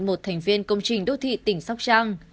một thành viên công trình đô thị tỉnh sóc trăng